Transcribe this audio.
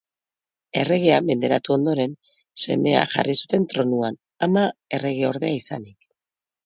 Erregea menderatu ondoren, semea jarri zuten tronuan, ama erregeordea izanik.